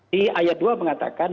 di ayat dua mengatakan